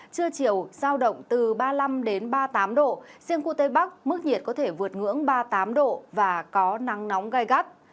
trưa chiều giao động từ ba mươi năm ba mươi tám độ riêng khu tây bắc mức nhiệt có thể vượt ngưỡng ba mươi tám độ và có nắng nóng gai gắt